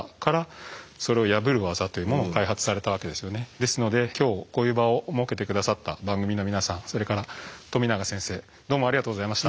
ですので今日こういう場を設けて下さった番組の皆さんそれから冨永先生どうもありがとうございました。